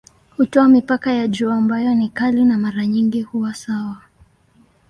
Hutoa mipaka ya juu ambayo ni kali na mara nyingi huwa sawa.